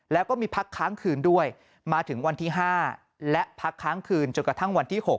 แล้วก็มีพักค้างคืนด้วยมาถึงวันที่๕และพักค้างคืนจนกระทั่งวันที่๖